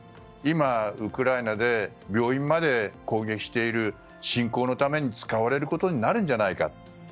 今、ウクライナで病院まで攻撃している侵攻のために使われることになるんじゃないか。